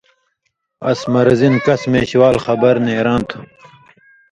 اس مرضی نہ کَس مېشوال خبر نېراں تھو